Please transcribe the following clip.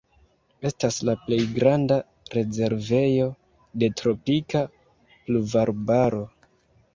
Estas la plej granda rezervejo de tropika pluvarbaro.